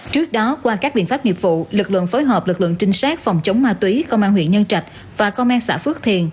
trước đó qua các biện pháp nghiệp vụ lực lượng phối hợp lực lượng trinh sát phòng chống ma túy công an huyện nhân trạch và công an xã phước thiền